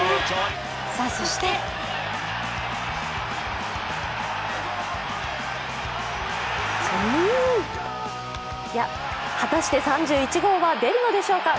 さあ、そして果たして３１号は出るのでしょうか。